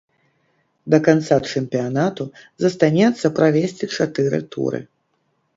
Да канца чэмпіянату застанецца правесці чатыры туры.